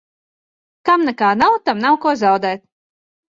Kam nekā nav, tam nav ko zaudēt.